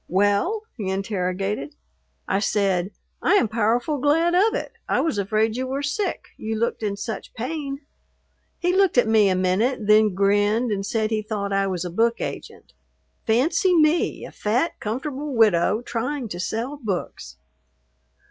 "Well?" he interrogated. I said, "I am powerful glad of it. I was afraid you were sick, you looked in such pain." He looked at me a minute, then grinned and said he thought I was a book agent. Fancy me, a fat, comfortable widow, trying to sell books!